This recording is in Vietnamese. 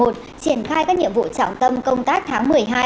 triển khai các nhiệm vụ trọng tâm công tác tháng một mươi hai